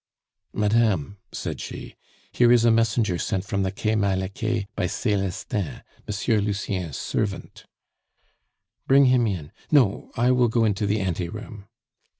"Madame," said she, "here is a messenger sent from the Quai Malaquais by Celestin, M. Lucien's servant " "Bring him in no, I will go into the ante room."